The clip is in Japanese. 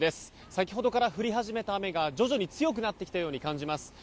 先ほどから降り始めた雨が徐々に強くなってきたように感じます。